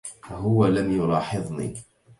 هو لم يلاحظني.